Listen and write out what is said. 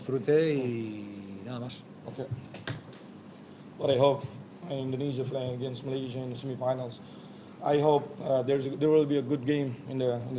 saya berharap orang indonesia dan malaysia akan menikmati pertandingan ini